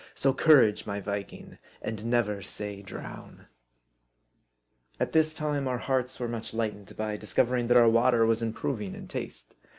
So courage ! my Viking, and never say drown ! At this time, our hearts were much lightened by discov ering that our water was improving in taste.